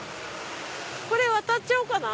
これ渡っちゃおうかな。